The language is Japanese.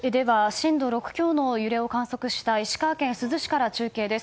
震度６強の揺れを観測した石川県珠洲市から中継です。